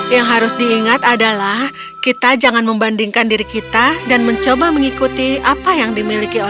yang harus diingat adalah kita jangan membandingkan diri kita dan mencoba mengikuti apa yang dimiliki